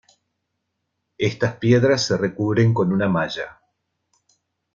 Estas piedras se recubren con una malla.